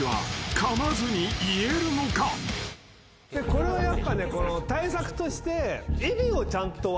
これはやっぱね対策として。